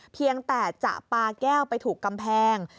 เพียงแต่จะปาแก้วไปถูกกำแพง